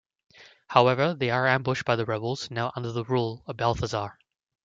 However, they are ambushed by the rebels, now under the rule of Balthazar.